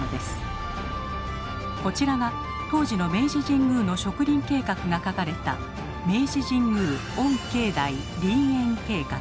こちらが当時の明治神宮の植林計画が書かれた「明治神宮御境内林苑計画」。